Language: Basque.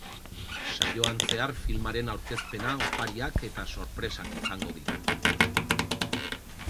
Saioan zehar filmaren aurkezpena, opariak eta sorpresak izango dira.